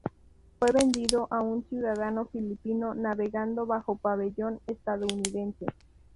Fue vendido a un ciudadano filipino, navegando bajo pabellón estadounidense.